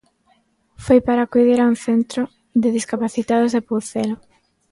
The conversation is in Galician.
Foi para acudir a un centro de discapacitados de Pozuelo.